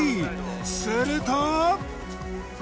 すると。